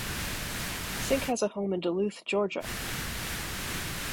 Cink has a home in Duluth, Georgia.